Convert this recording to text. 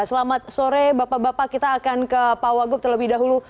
selamat sore bapak bapak kita akan ke pak wagub terlebih dahulu